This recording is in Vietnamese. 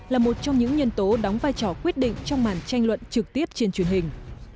là một trong những nhân tố đóng vai trò quyết định trong màn tranh luận trực tiếp trên truyền hình